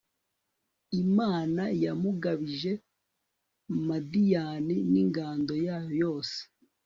imana yamugabije madiyani n'ingando yayo yose